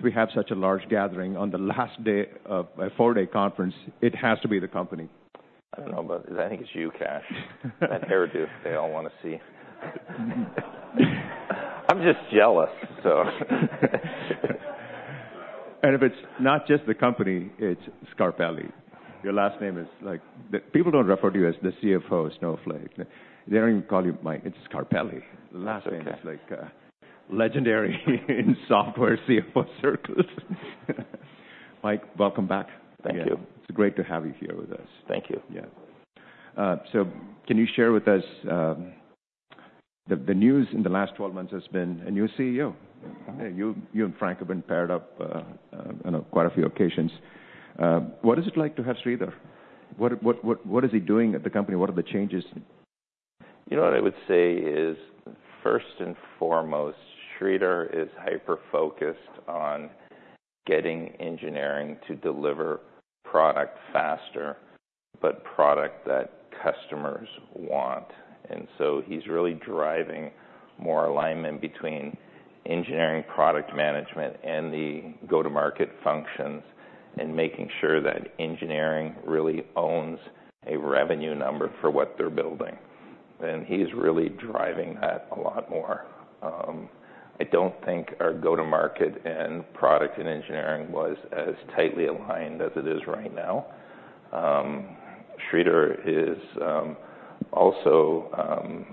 If we have such a large gathering on the last day of a four-day conference, it has to be the company. I don't know, but I think it's you, Kash. That hairdo, they all want to see. I'm just jealous, so... And if it's not just the company, it's Scarpelli. Your last name is like the-- people don't refer to you as the CFO of Snowflake. They even call you Mike. It's Scarpelli. That's okay. Last name is, like, legendary in software CFO circles. Mike, welcome back. Thank you. It's great to have you here with us. Thank you. Yeah. So can you share with us, the news in the last 12 months has been a new CEO. You and Frank have been paired up on quite a few occasions. What is it like to have Sridhar? What is he doing at the company? What are the changes? You know, what I would say is, first and foremost, Sridhar is hyper-focused on getting engineering to deliver product faster, but product that customers want. And so he's really driving more alignment between engineering, product management, and the go-to-market functions, and making sure that engineering really owns a revenue number for what they're building. And he's really driving that a lot more. I don't think our go-to-market and product and engineering was as tightly aligned as it is right now. Sridhar is also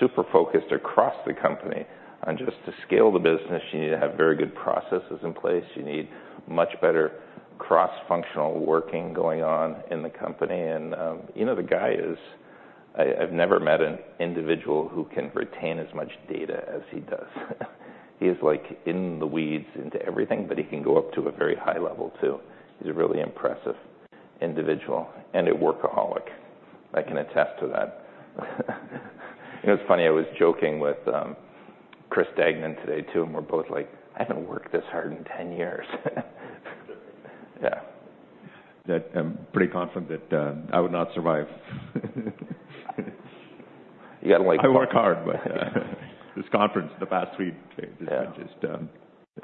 super focused across the company on just to scale the business, you need to have very good processes in place. You need much better cross-functional working going on in the company. And, you know, the guy is... I've never met an individual who can retain as much data as he does. He is, like, in the weeds into everything, but he can go up to a very high level, too. He's a really impressive individual and a workaholic. I can attest to that. You know, it's funny, I was joking with Chris Degnan today, too, and we're both like, "I haven't worked this hard in 10 years." Yeah. That I'm pretty confident that, I would not survive. You got to like- I work hard, but this conference, the past three days, has been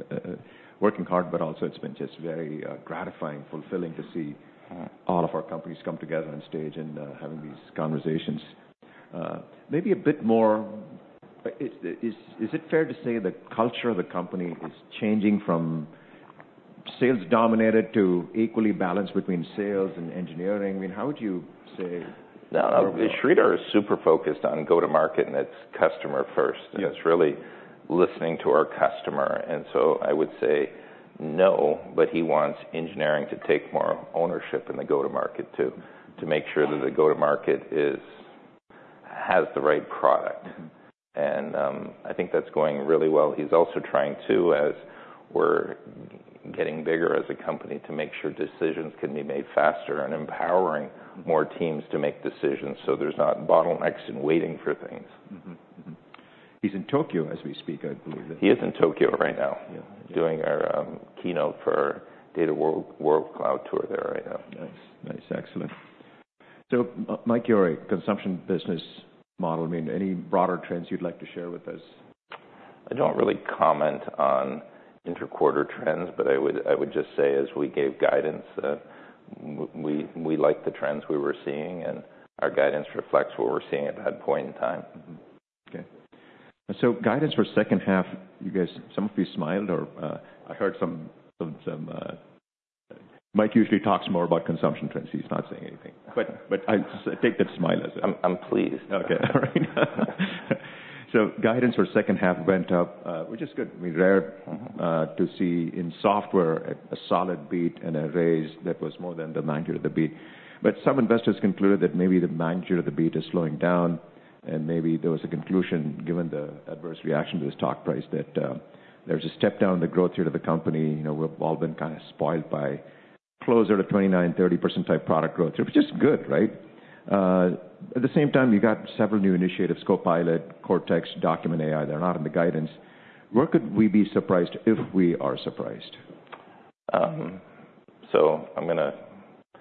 just working hard, but also it's been just very gratifying, fulfilling to see all of our companies come together on stage and having these conversations. Maybe a bit more, is it fair to say the culture of the company is changing from sales-dominated to equally balanced between sales and engineering? I mean, how would you say- No, Sridhar is super focused on go-to-market, and that's customer first. Yes. It's really listening to our customer, and so I would say no, but he wants engineering to take more ownership in the go-to-market, too, to make sure that the go-to-market has the right product. Mm-hmm. And, I think that's going really well. He's also trying, too, as we're getting bigger as a company, to make sure decisions can be made faster and empowering more teams to make decisions, so there's not bottlenecks and waiting for things. Mm-hmm, mm-hmm. He's in Tokyo as we speak, I believe. He is in Tokyo right now. Yeah. Doing our keynote for Data Cloud World Tour there right now. Nice. Nice, excellent. So Mike, you're a consumption business model. I mean, any broader trends you'd like to share with us? I don't really comment on intra-quarter trends, but I would just say, as we gave guidance, we liked the trends we were seeing, and our guidance reflects what we're seeing at that point in tim Okay. And so guidance for second half, you guys, some of you smiled, or I heard some... Mike usually talks more about consumption trends. He's not saying anything, but I take that smile as a- I'm pleased. Okay. All right. So guidance for second half went up, which is good. I mean, rare to see in software, a solid beat and a raise that was more than the magnitude of the beat. But some investors concluded that maybe the magnitude of the beat is slowing down, and maybe there was a conclusion, given the adverse reaction to the stock price, that there was a step down the growth rate of the company. You know, we've all been kinda spoiled by closer to 29%-30% type product growth, which is good, right? At the same time, you got several new initiatives, Copilot, Cortex, Document AI, they're not in the guidance. Where could we be surprised if we are surprised? So I'm gonna-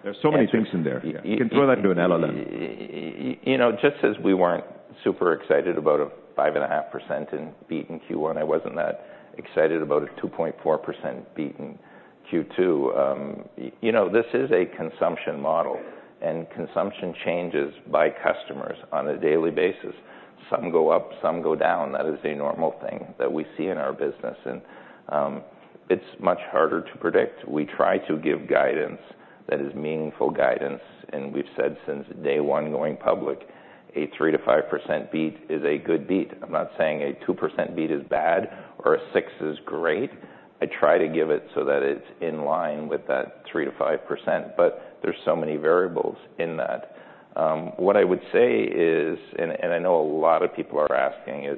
There's so many things in there. Yeah. You can throw that to an LLM. You know, just as we weren't super excited about a 5.5% beat in Q1, I wasn't that excited about a 2.4% beat in Q2. You know, this is a consumption model, and consumption changes by customers on a daily basis. Some go up, some go down. That is a normal thing that we see in our business, and it's much harder to predict. We try to give guidance that is meaningful guidance, and we've said since day one, going public, a 3%-5% beat is a good beat. I'm not saying a 2% beat is bad or a 6% is great. I try to give it so that it's in line with that 3%-5%, but there's so many variables in that. What I would say is, and I know a lot of people are asking, is: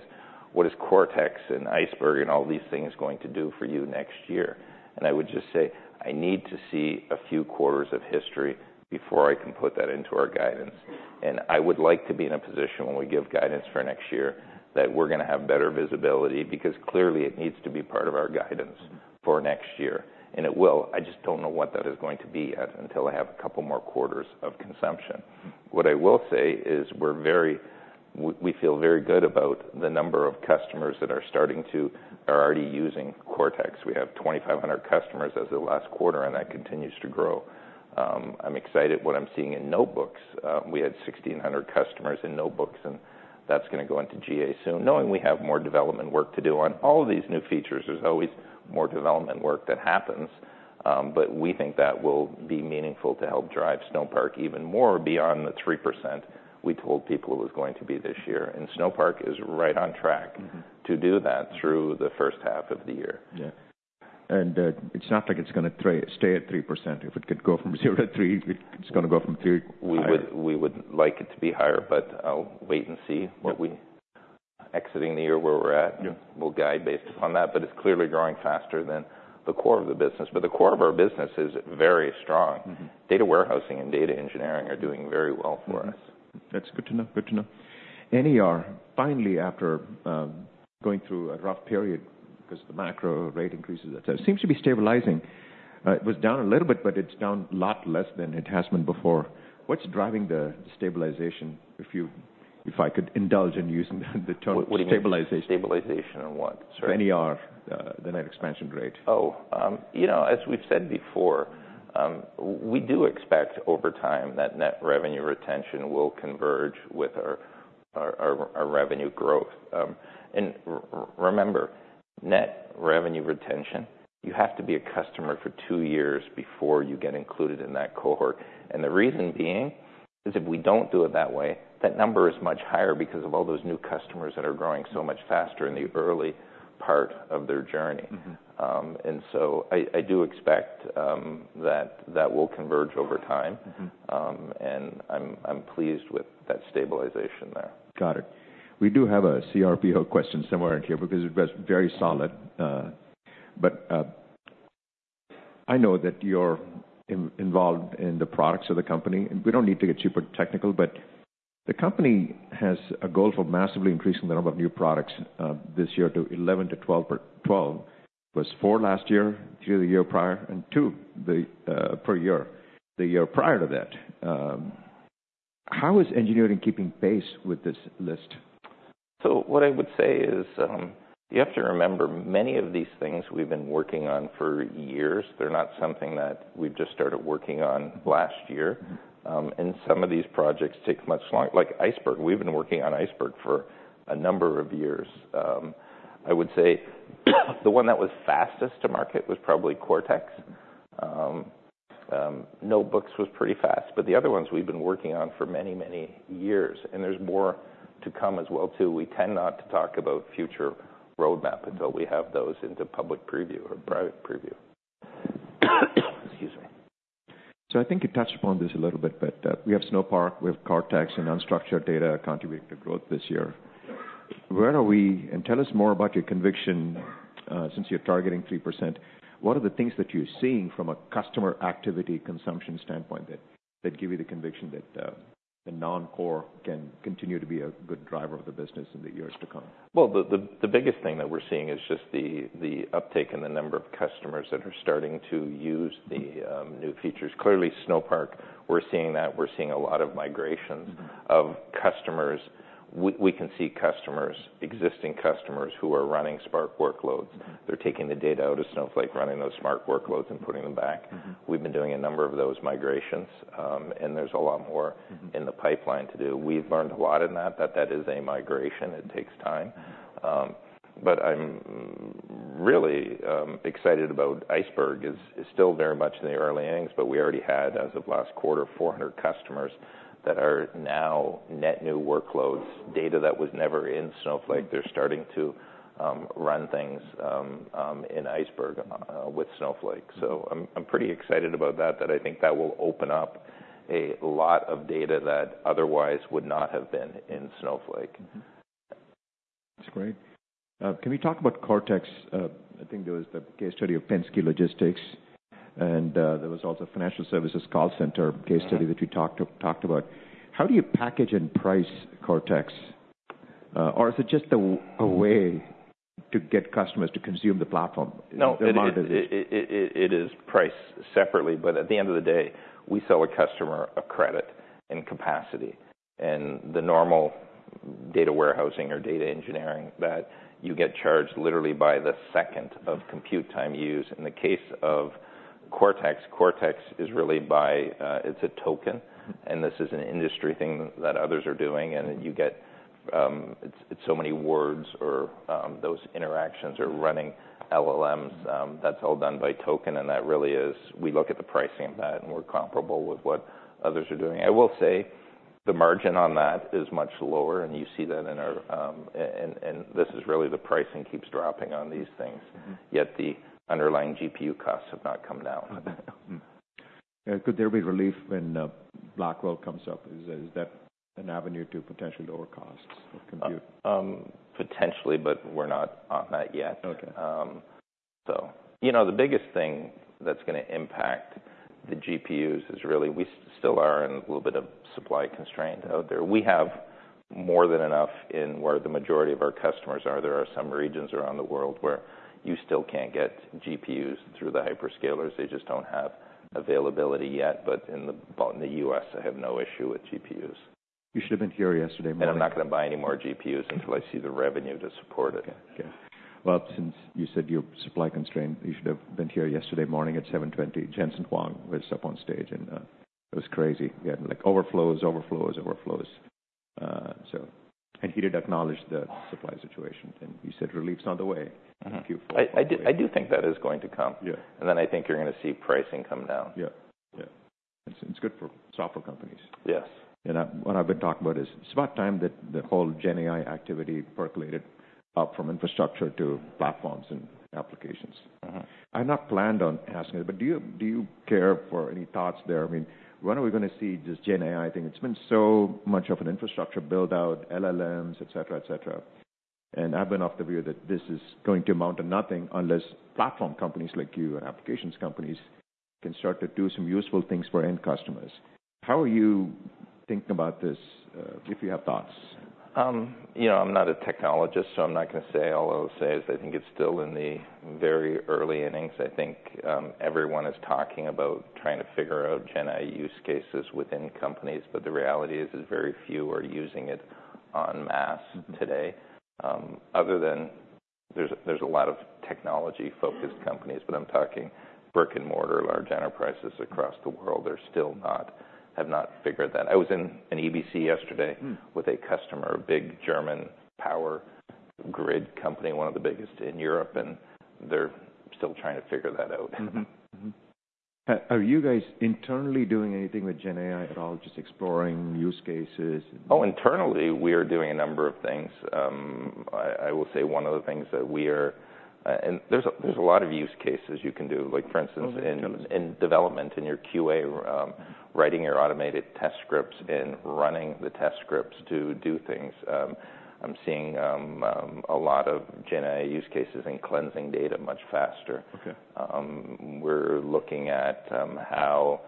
What is Cortex and Iceberg and all these things going to do for you next year? And I would just say, I need to see a few quarters of history before I can put that into our guidance. And I would like to be in a position, when we give guidance for next year, that we're gonna have better visibility, because clearly, it needs to be part of our guidance for next year, and it will. I just don't know what that is going to be yet, until I have a couple more quarters of consumption. What I will say is, we feel very good about the number of customers that are starting to, or already using Cortex. We have 2,500 customers as of last quarter, and that continues to grow. I'm excited what I'm seeing in Notebooks. We had 1,600 customers in Notebooks, and that's gonna go into GA soon. Knowing we have more development work to do on all of these new features, there's always more development work that happens. But we think that will be meaningful to help drive Snowpark even more beyond the 3% we told people it was going to be this year. And Snowpark is right on track to do that through the first half of the year. Yeah. And, it's not like it's gonna stay at 3%. If it could go from zero to three, it's gonna go from three higher. We would like it to be higher, but I'll wait and see what we... Exiting the year where we're at. Yeah. We'll guide based upon that, but it's clearly growing faster than the core of the business. But the core of our business is very strong. Mm-hmm. Data warehousing and data engineering are doing very well for us. That's good to know. Good to know. NER, finally, after going through a rough period, because the macro rate increases, et cetera, seems to be stabilizing. It was down a little bit, but it's down a lot less than it has been before. What's driving the stabilization, if I could indulge in using the term stabilization? What do you mean stabilization on what? Sorry. NER, the net expansion rate. Oh, you know, as we've said before, we do expect over time that net revenue retention will converge with our revenue growth. And remember, net revenue retention, you have to be a customer for two years before you get included in that cohort. And the reason being is if we don't do it that way, that number is much higher because of all those new customers that are growing so much faster in the early part of their journey. Mm-hmm. And so I do expect that will converge over time. Mm-hmm. And I'm pleased with that stabilization there. Got it. We do have a CRPO question somewhere in here, because it was very solid. But I know that you're involved in the products of the company, and we don't need to get super technical, but the company has a goal for massively increasing the number of new products this year to 11 to 12 per year. It was four last year, three the year prior, and two per year the year prior to that. How is engineering keeping pace with this list? So what I would say is, you have to remember, many of these things we've been working on for years. They're not something that we've just started working on last year. Mm-hmm. And some of these projects take much longer. Like Iceberg, we've been working on Iceberg for a number of years. I would say, the one that was fastest to market was probably Cortex. Notebooks was pretty fast, but the other ones we've been working on for many, many years, and there's more to come as well, too. We tend not to talk about future roadmap until we have those into public preview or private preview. Excuse me. So I think you touched upon this a little bit, but, we have Snowpark, we have Cortex, and unstructured data contributing to growth this year. And tell us more about your conviction, since you're targeting 3%, what are the things that you're seeing from a customer activity consumption standpoint, that give you the conviction that, the non-core can continue to be a good driver of the business in the years to come? The biggest thing that we're seeing is just the uptake in the number of customers that are starting to use the new features. Clearly, Snowpark, we're seeing that. We're seeing a lot of migrations of customers. We can see customers, existing customers, who are running Spark workloads. Mm-hmm. They're taking the data out of Snowflake, running those Spark workloads, and putting them back. Mm-hmm. We've been doing a number of those migrations, and there's a lot more in the pipeline to do. We've learned a lot in that, that is a migration. It takes time, but I'm really excited about Iceberg. It's still very much in the early innings, but we already had, as of last quarter, 400 customers that are now net new workloads, data that was never in Snowflake. They're starting to run things in Iceberg with Snowflake. Mm-hmm. I'm pretty excited about that. I think that will open up a lot of data that otherwise would not have been in Snowflake. Mm-hmm. That's great. Can we talk about Cortex? I think there was the case study of Penske Logistics, and there was also financial services call center case study that you talked about. How do you package and price Cortex? Or is it just a way to get customers to consume the platform? No, it is priced separately, but at the end of the day, we sell a customer a credit and capacity. And the normal data warehousing or data engineering, that you get charged literally by the second of compute time used. In the case of Cortex, Cortex is really by, it's a token. Mm-hmm. And this is an industry thing that others are doing, and you get, it's so many words or, those interactions are running LLMs. That's all done by token, and that really is... We look at the pricing of that, and we're comparable with what others are doing. I will say, the margin on that is much lower, and you see that in our... And this is really the pricing keeps dropping on these things. Mm-hmm. Yet the underlying GPU costs have not come down. Mm-hmm. Could there be relief when Blackwell comes up? Is that an avenue to potentially lower costs of compute? Potentially, but we're not on that yet. Okay. So, you know, the biggest thing that's gonna impact the GPUs is really we still are in a little bit of supply constraint out there. We have more than enough in where the majority of our customers are. There are some regions around the world where you still can't get GPUs through the hyperscalers. They just don't have availability yet, but in the U.S., I have no issue with GPUs. You should have been here yesterday morning. I'm not gonna buy any more GPUs until I see the revenue to support it. Okay, okay. Well, since you said you're supply-constrained, you should have been here yesterday morning at 7:20, Jensen Huang was up on stage, and it was crazy. We had, like, overflows, overflows, overflows. And he did acknowledge the supply situation, and he said, "Relief's on the way. Mm-hmm. Thank you. I do think that is going to come. Yeah. And then I think you're gonna see pricing come down. Yeah, yeah. It's, it's good for software companies. Yes. What I've been talking about is, it's about time that the whole GenAI activity percolated up from infrastructure to platforms and applications. Mm-hmm. I hadn't planned on asking it, but do you care for any thoughts there? I mean, when are we gonna see this GenAI thing? It's been so much of an infrastructure build-out, LLMs, et cetera, et cetera. And I've been of the view that this is going to amount to nothing, unless platform companies like you and applications companies can start to do some useful things for end customers. How are you thinking about this, if you have thoughts? You know, I'm not a technologist, so I'm not gonna say. All I'll say is, I think it's still in the very early innings. I think, everyone is talking about trying to figure out GenAI use cases within companies, but the reality is, very few are using it en masse today. Other than... There's a lot of technology-focused companies, but I'm talking brick-and-mortar, large enterprises across the world have not figured that. I was in EBC yesterday. Mm. With a customer, a big German power grid company, one of the biggest in Europe, and they're still trying to figure that out. Mm-hmm. Mm-hmm. Are you guys internally doing anything with GenAI at all, just exploring use cases? Oh, internally, we are doing a number of things. I will say one of the things that we are, and there's a lot of use cases you can do. Like, for instance- Mm, tell us. In development, in your QA, writing your automated test scripts and running the test scripts to do things. I'm seeing a lot of GenAI use cases in cleansing data much faster. Okay. We're looking at how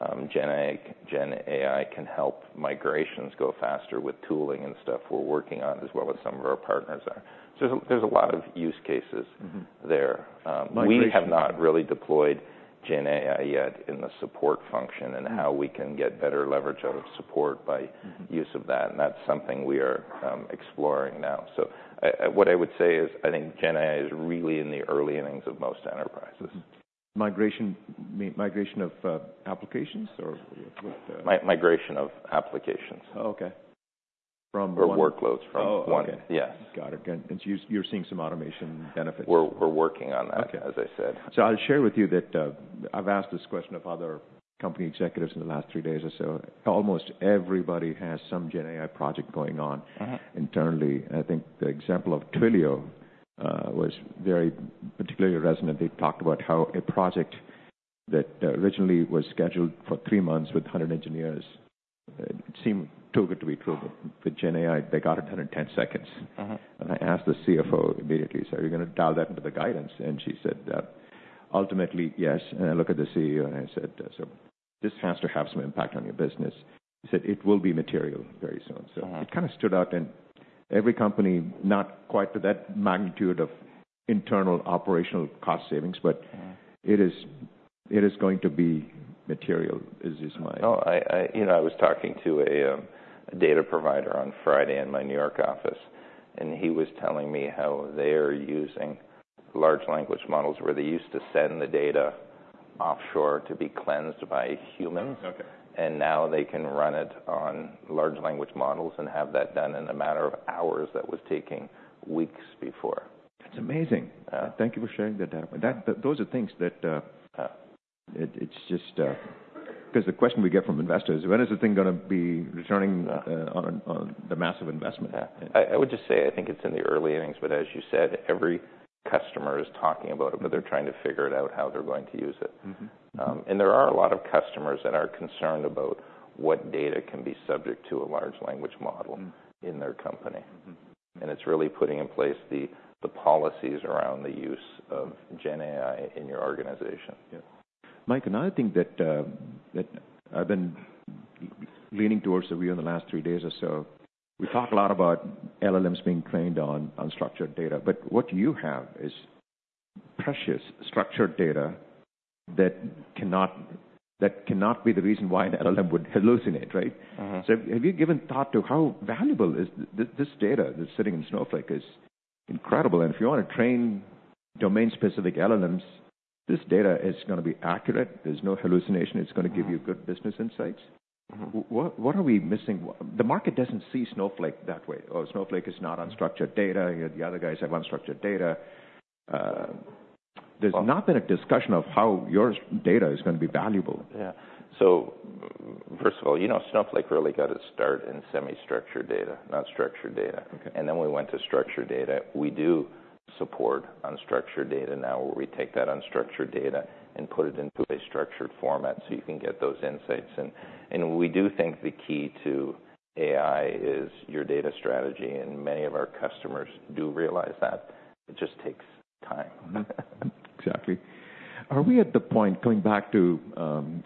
GenAI can help migrations go faster with tooling and stuff we're working on, as well as some of our partners are. So there's a lot of use cases- Mm-hmm -there. Um- Migration. We have not really deployed GenAI yet in the support function- Mm. -and how we can get better leverage out of support by Mm-hmm Use of that, and that's something we are exploring now. So I, what I would say is, I think GenAI is really in the early innings of most enterprises. Mm-hmm. Migration mean migration of applications, or what? Migration of applications. Oh, okay. From what? Or workloads from one- Oh, okay. Yes. Got it. And so you, you're seeing some automation benefits? We're working on that- Okay... as I said. So I'll share with you that, I've asked this question of other company executives in the last three days or so. Almost everybody has some GenAI project going on- Mm-hmm... internally. And I think the example of Twilio was very particularly resonant. They talked about how a project that originally was scheduled for three months with 100 engineers seemed too good to be true. With GenAI, they got it done in 10 seconds. Mm-hmm. And I asked the CFO immediately, "So are you gonna dial that into the guidance?" And she said, "Ultimately, yes." And I look at the CEO, and I said, "So this has to have some impact on your business." He said, "It will be material very soon. Mm-hmm. It kind of stood out. Every company, not quite to that magnitude of internal operational cost savings, but- Mm... it is, it is going to be material, is just my- Oh, you know, I was talking to a data provider on Friday in my New York office, and he was telling me how they're using large language models, where they used to send the data offshore to be cleansed by humans. Okay. Now they can run it on large language models and have that done in a matter of hours. That was taking weeks before. That's amazing. Yeah. Thank you for sharing that. That, those are things that, Yeah... it, it's just, 'Cause the question we get from investors: "When is this thing gonna be returning on the massive investment? Yeah. I, I would just say, I think it's in the early innings, but as you said, every customer is talking about it, but they're trying to figure it out, how they're going to use it. Mm-hmm. And there are a lot of customers that are concerned about what data can be subject to a large language model- Mm. in their company. Mm-hmm. And it's really putting in place the policies around the use of GenAI in your organization. Yeah. Mike, another thing that, that I've been leaning towards the view in the last three days or so, we talk a lot about LLMs being trained on unstructured data, but what you have is precious structured data that cannot, that cannot be the reason why an LLM would hallucinate, right? Mm-hmm. So have you given thought to how valuable is this data that's sitting in Snowflake? It's incredible, and if you want to train domain-specific LLMs, this data is gonna be accurate. There's no hallucination. Mm-hmm. It's gonna give you good business insights. Mm-hmm. What, what are we missing? The market doesn't see Snowflake that way, or Snowflake is not unstructured data. You know, the other guys have unstructured data. There's not been a discussion of how your data is gonna be valuable. Yeah, so first of all, you know, Snowflake really got its start in semi-structured data, not structured data. Okay. Then we went to structured data. We do support unstructured data now, where we take that unstructured data and put it into a structured format, so you can get those insights. We do think the key to AI is your data strategy, and many of our customers do realize that. It just takes time. Mm-hmm. Exactly. Are we at the point, coming back to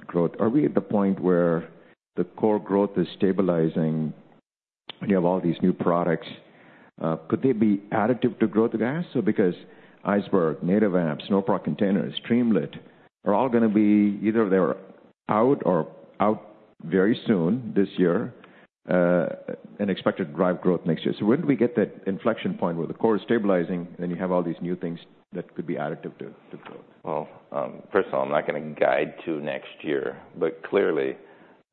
growth, are we at the point where the core growth is stabilizing? You have all these new products. Could they be additive to growth of SaaS? So because Iceberg, Native Apps, Snowpark Containers, Streamlit, are all gonna be either they're out or out very soon this year, and expected to drive growth next year. So when do we get that inflection point where the core is stabilizing, and you have all these new things that could be additive to growth? First of all, I'm not gonna guide to next year, but clearly,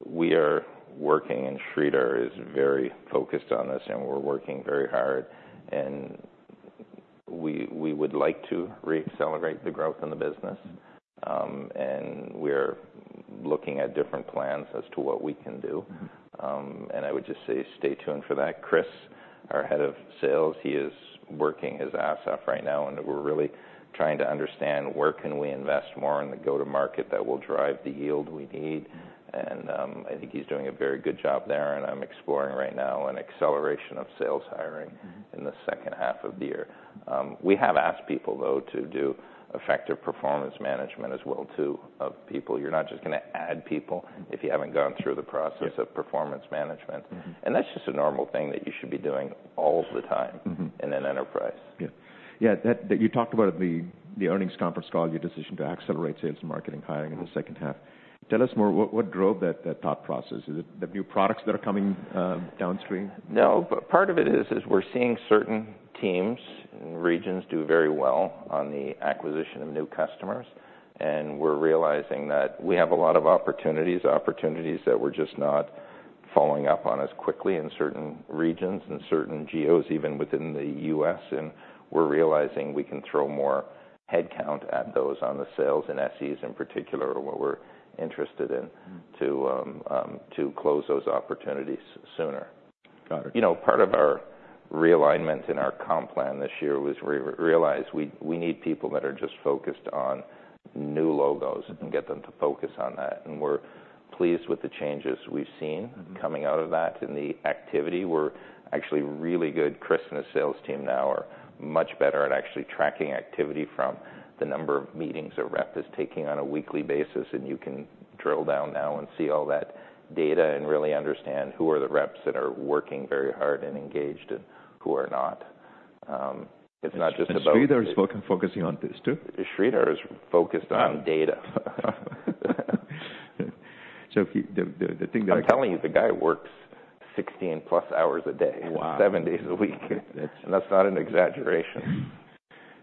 we are working, and Sridhar is very focused on this, and we're working very hard, and we would like to reaccelerate the growth in the business, and we're looking at different plans as to what we can do. Mm-hmm. And I would just say stay tuned for that. Chris, our head of sales, he is working his ass off right now, and we're really trying to understand where can we invest more in the go-to-market that will drive the yield we need. Mm-hmm. I think he's doing a very good job there, and I'm exploring right now an acceleration of sales hiring- Mm-hmm -in the second half of the year. We have asked people, though, to do effective performance management as well, too, of people. You're not just gonna add people- Mm-hmm If you haven't gone through the process of performance management. Mm-hmm. And that's just a normal thing that you should be doing all the time. Mm-hmm in an enterprise. Yeah. Yeah, that you talked about at the earnings conference call, your decision to accelerate sales and marketing hiring in the second half. Tell us more, what drove that thought process? Is it the new products that are coming downstream? No, but part of it is, we're seeing certain teams and regions do very well on the acquisition of new customers, and we're realizing that we have a lot of opportunities, opportunities that we're just not following up on as quickly in certain regions and certain geos, even within the U.S., and we're realizing we can throw more headcount at those on the sales and SEs in particular, are what we're interested in to close those opportunities sooner. Got it. You know, part of our realignment in our comp plan this year was realize we need people that are just focused on new logos- Mm-hmm and get them to focus on that. and we're pleased with the changes we've seen. Mm-hmm Coming out of that, and the activity were actually really good. Chris and his sales team now are much better at actually tracking activity from the number of meetings a rep is taking on a weekly basis, and you can drill down now and see all that data and really understand who are the reps that are working very hard and engaged, and who are not. It's not just about- Sridhar is focusing on this, too? Sridhar is focused on data. So the thing that- I'm telling you, the guy works 16+ hours a day- Wow! Seven days a week. That's not an exaggeration. Mm-hmm.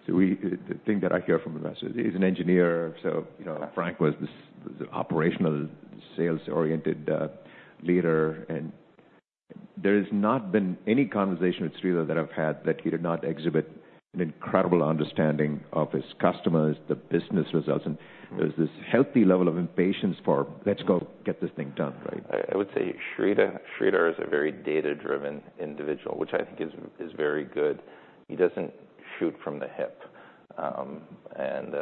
So, the thing that I hear from investors, he's an engineer, so, you know, Frank was this, the operational sales-oriented leader. And there has not been any conversation with Sridhar that I've had, that he did not exhibit an incredible understanding of his customers, the business results, and- Mm-hmm There's this healthy level of impatience for, "Let's go get this thing done," right? I would say Sridhar is a very data-driven individual, which I think is very good. He doesn't shoot from the hip. And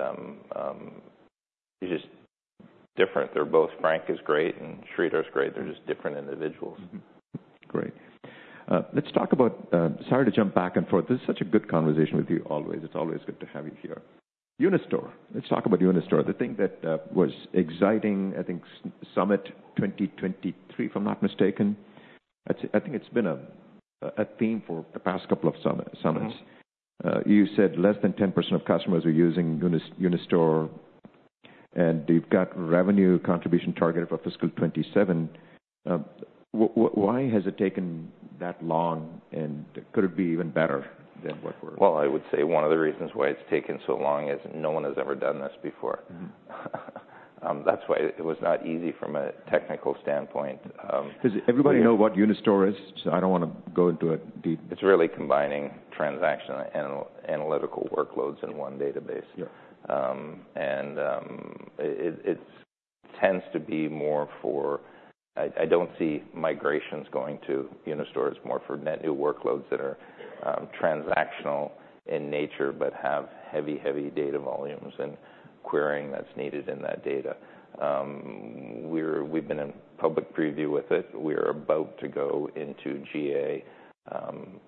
he's just different. They're both... Frank is great, and Sridhar is great. They're just different individuals. Mm-hmm. Great. Let's talk about. Sorry to jump back and forth. This is such a good conversation with you, always. It's always good to have you here. Unistore. Let's talk about Unistore. The thing that was exciting, I think, Summit 2023, if I'm not mistaken. I think it's been a theme for the past couple of summits. Mm-hmm. You said less than 10% of customers are using Unistore, and you've got revenue contribution targeted for fiscal 2027. Why has it taken that long, and could it be even better than what we're- I would say one of the reasons why it's taken so long is no one has ever done this before. Mm-hmm. That's why it was not easy from a technical standpoint. Does everybody know what Unistore is? I don't wanna go into it deep. It's really combining transactional and analytical workloads in one database. Yeah. It tends to be more for... I don't see migrations going to Unistore. It's more for net new workloads that are transactional in nature, but have heavy data volumes and querying that's needed in that data. We've been in public preview with it. We are about to go into GA. I'm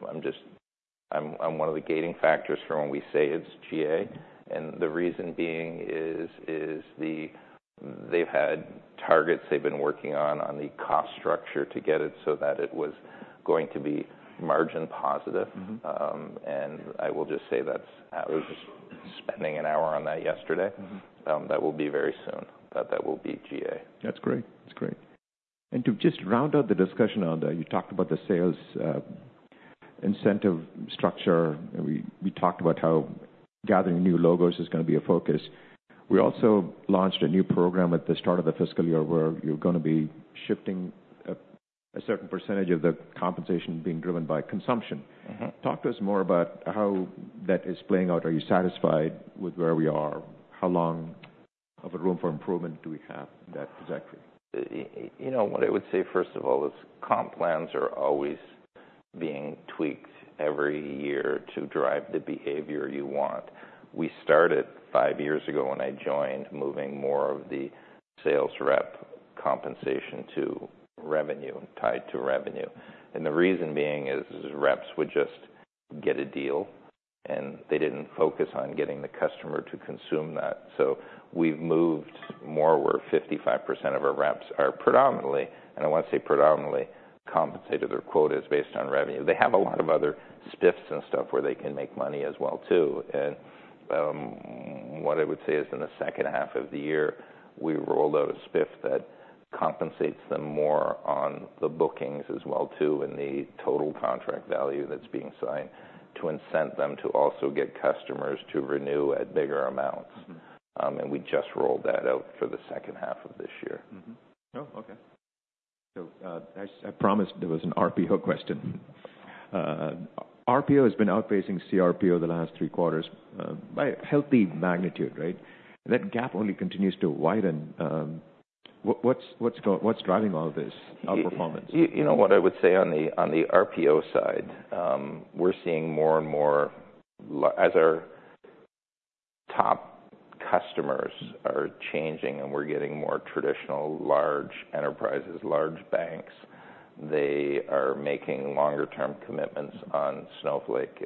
one of the gating factors for when we say it's GA, and the reason being is they've had targets they've been working on the cost structure to get it so that it was going to be margin positive. Mm-hmm. And I will just say that's, I was just spending an hour on that yesterday. Mm-hmm. That will be very soon, that will be GA. That's great. That's great. And to just round out the discussion on that, you talked about the sales incentive structure, and we talked about how gathering new logos is gonna be a focus. We also launched a new program at the start of the fiscal year, where you're gonna be shifting a certain percentage of the compensation being driven by consumption. Mm-hmm. Talk to us more about how that is playing out. Are you satisfied with where we are? How long of a room for improvement do we have in that sector? You know, what I would say, first of all, is comp plans are always being tweaked every year to drive the behavior you want. We started five years ago, when I joined, moving more of the sales rep compensation to revenue, tied to revenue. And the reason being is reps would just get a deal and they didn't focus on getting the customer to consume that. So we've moved more where 55% of our reps are predominantly, and I want to say predominantly, compensated, their quota is based on revenue. They have a lot of other spiffs and stuff where they can make money as well, too. What I would say is in the second half of the year, we rolled out a spiff that compensates them more on the bookings as well, too, and the total contract value that's being signed, to incent them to also get customers to renew at bigger amounts. Mm-hmm. And we just rolled that out for the second half of this year. Mm-hmm. Oh, okay. So, I promised there was an RPO question. RPO has been outpacing CRPO the last three quarters by a healthy magnitude, right? That gap only continues to widen. What's driving all this outperformance? You know what I would say on the RPO side, we're seeing more and more as our top customers are changing, and we're getting more traditional large enterprises, large banks. They are making longer-term commitments on Snowflake.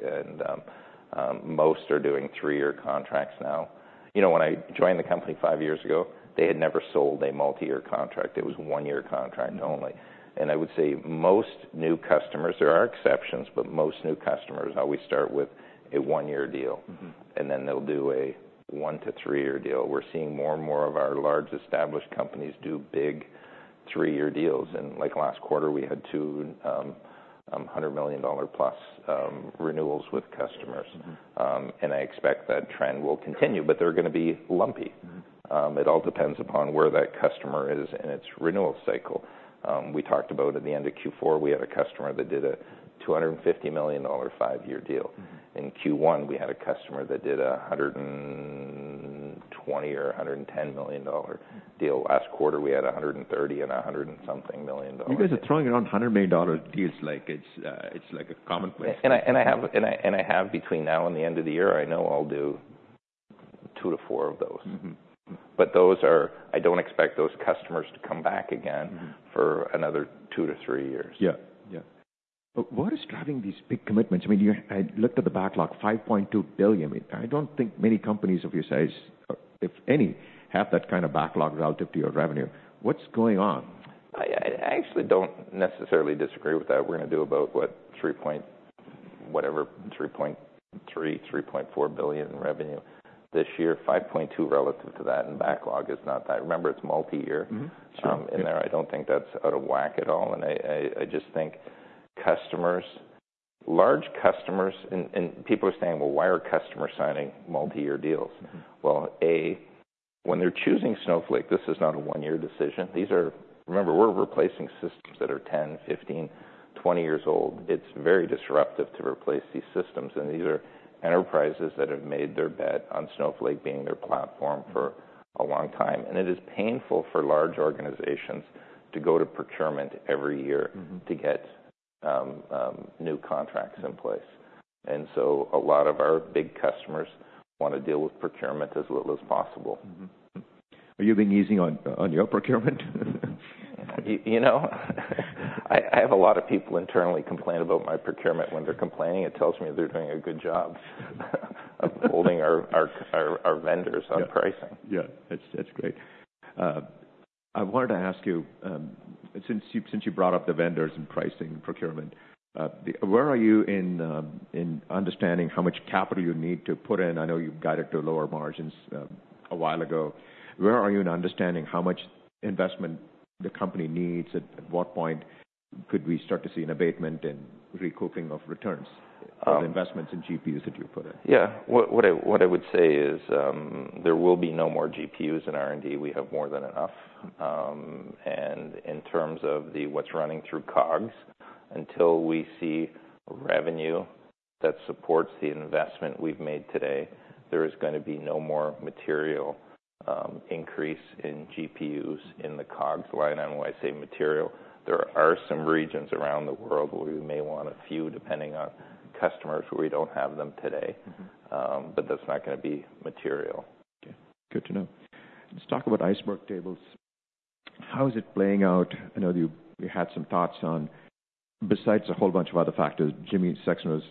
Most are doing three-year contracts now. You know, when I joined the company five years ago, they had never sold a multi-year contract. It was one-year contract only. Mm-hmm. I would say most new customers, there are exceptions, but most new customers always start with a one-year deal. Mm-hmm. And then they'll do a one- to three-year deal. We're seeing more and more of our large, established companies do big three-year deals. And like last quarter, we had two $100+ million renewals with customers. Mm-hmm. And I expect that trend will continue, but they're gonna be lumpy. Mm-hmm. It all depends upon where that customer is in its renewal cycle. We talked about, at the end of Q4, we had a customer that did a $250 million five-year deal. Mm-hmm. In Q1, we had a customer that did a $120 million or $110 million deal. Last quarter, we had a $130 million and a $100 million something. You guys are throwing around $100 million deals like it's like a commonplace- I have between now and the end of the year. I know I'll do two to four of those. Mm-hmm. But those are. I don't expect those customers to come back again for another two to three years. Yeah. Yeah. But what is driving these big commitments? I mean, you-- I looked at the backlog, $5.2 billion. I don't think many companies of your size, if any, have that kind of backlog relative to your revenue. What's going on? I actually don't necessarily disagree with that. We're gonna do about, what, $3.3 billion-$3.4 billion in revenue this year, $5.2 relative to that, and backlog is not that. Remember, it's multi-year. Mm-hmm. In there, I don't think that's out of whack at all. And I just think customers, large customers... And people are saying, "Well, why are customers signing multi-year deals? Mm-hmm. A, when they're choosing Snowflake, this is not a one-year decision. These are. Remember, we're replacing systems that are 10, 15, 20 years old. It's very disruptive to replace these systems, and these are enterprises that have made their bet on Snowflake being their platform for a long time. And it is painful for large organizations to go to procurement every year to get new contracts in place. And so a lot of our big customers want to deal with procurement as little as possible. Are you being easy on your procurement? You know, I have a lot of people internally complain about my procurement. When they're complaining, it tells me they're doing a good job of holding our vendors on pricing. Yeah. Yeah, that's, that's great. I wanted to ask you, since you, since you brought up the vendors and pricing, procurement, where are you in understanding how much capital you need to put in? I know you've guided to lower margins a while ago. Where are you in understanding how much investment the company needs? At what point could we start to see an abatement and recouping of returns on investments in GPUs, that you put in? Yeah. What I would say is, there will be no more GPUs in R&D. We have more than enough. And in terms of what's running through COGS, until we see revenue that supports the investment we've made today, there is gonna be no more material increase in GPUs in the COGS line. And why I say material, there are some regions around the world where we may want a few, depending on customers, where we don't have them today. Mm-hmm. But that's not gonna be material. Okay. Good to know. Let's talk about Iceberg tables. How is it playing out? I know you had some thoughts on, besides a whole bunch of other factors, Jimmy Sexton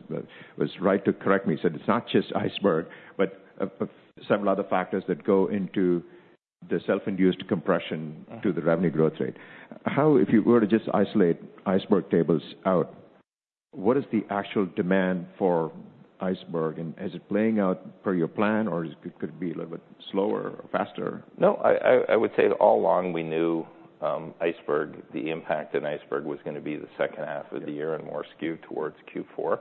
was right to correct me. He said, "It's not just Iceberg, but several other factors that go into the self-induced compression to the revenue growth rate. If you were to just isolate Iceberg tables out, what is the actual demand for Iceberg, and is it playing out per your plan, or is it could be a little bit slower or faster? No, I would say all along we knew, Iceberg, the impact in Iceberg was gonna be the second half of the year.... and more skewed towards Q4.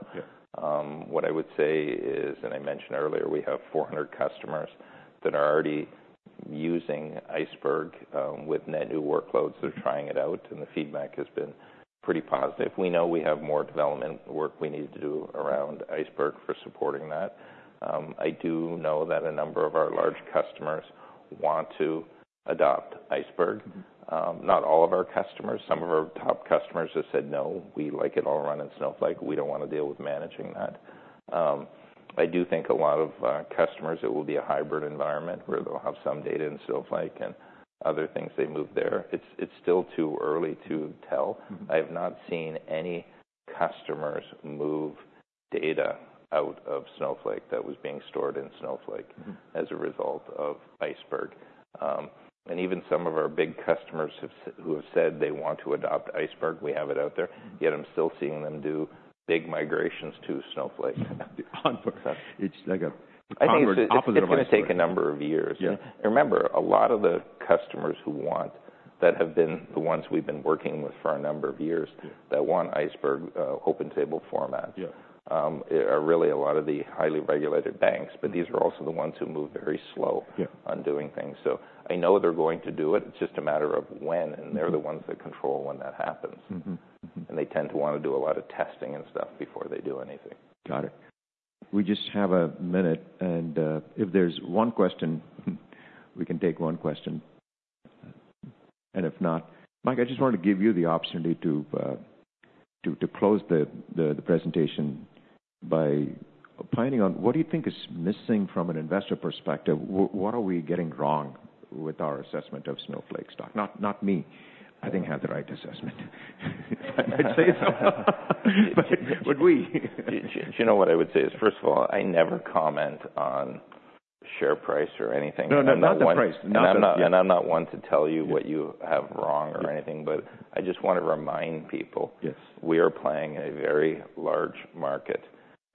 Yeah. What I would say is, and I mentioned earlier, we have 400 customers that are already using Iceberg, with net new workloads. They're trying it out, and the feedback has been pretty positive. We know we have more development work we need to do around Iceberg for supporting that. I do know that a number of our large customers want to adopt Iceberg. Mm-hmm. Not all of our customers. Some of our top customers have said, "No, we like it all run in Snowflake. We don't want to deal with managing that." I do think a lot of customers, it will be a hybrid environment, where they'll have some data in Snowflake and other things they move there. It's still too early to tell. Mm-hmm. I have not seen any customers move data out of Snowflake that was being stored in Snowflake. Mm-hmm. As a result of Iceberg, and even some of our big customers who have said they want to adopt Iceberg, we have it out there, yet I'm still seeing them do big migrations to Snowflake. Onward. It's like onward, opposite of- I think it's gonna take a number of years. Yeah. And remember, a lot of the customers who want, that have been the ones we've been working with for a number of years- Yeah... that want Iceberg, open table format- Yeah are really a lot of the highly regulated banks, but these are also the ones who move very slow. Yeah -on doing things. So I know they're going to do it, it's just a matter of when, and they're the ones that control when that happens. Mm-hmm. Mm-hmm. They tend to wanna do a lot of testing and stuff before they do anything. Got it. We just have a minute, and if there's one question, we can take one question, and if not, Mike, I just wanted to give you the opportunity to close the presentation by opining on what do you think is missing from an investor perspective? What are we getting wrong with our assessment of Snowflake stock? Not me. I think I have the right assessment. I'd say so. But we- Do you know what I would say is, first of all, I never comment on share price or anything. No, no, not the price. Not the- And I'm not one to tell you what you have wrong or anything, but I just want to remind people- Yes... we are playing in a very large market.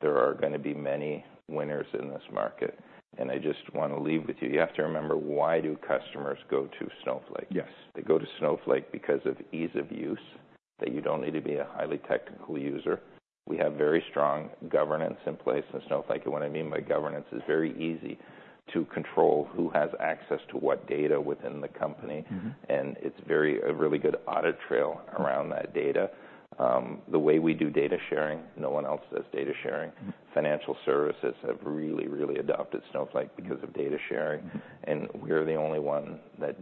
There are gonna be many winners in this market, and I just wanna leave with you. You have to remember, why do customers go to Snowflake? Yes. They go to Snowflake because of ease of use, that you don't need to be a highly technical user. We have very strong governance in place in Snowflake, and what I mean by governance is very easy to control who has access to what data within the company. Mm-hmm. And it's very, a really good audit trail around that data. The way we do data sharing, no one else does data sharing. Mm-hmm. Financial services have really, really adopted Snowflake because of data sharing. Mm-hmm. And we're the only one that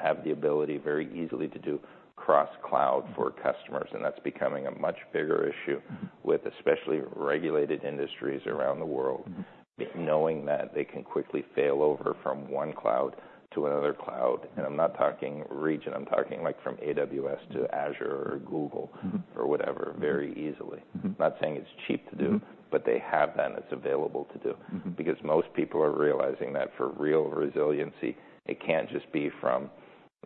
have the ability very easily to do cross-cloud for customers, and that's becoming a much bigger issue with especially regulated industries around the world. Mm-hmm. Knowing that they can quickly fail over from one cloud to another cloud, and I'm not talking region, I'm talking like from AWS to Azure or Google- Mm-hmm... or whatever, very easily. Mm-hmm. I'm not saying it's cheap to do- Mm-hmm... but they have that, and it's available to do. Mm-hmm. Because most people are realizing that for real resiliency, it can't just be from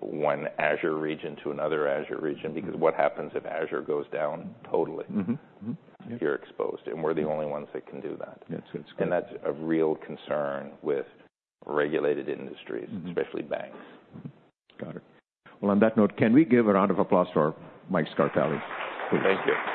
one Azure region to another Azure region, because what happens if Azure goes down totally? Mm-hmm. Mm-hmm. Yeah. You're exposed, and we're the only ones that can do that. Yes, that's great. And that's a real concern with regulated industries. Mm-hmm... especially banks. Got it. Well, on that note, can we give a round of applause for Mike Scarpelli? Please. Thank you.